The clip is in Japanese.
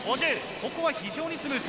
ここは非常にスムーズ。